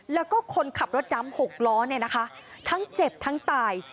แล้วก็คนขับรถดำ๖ล้อทั้งเจ็บทั้งตาย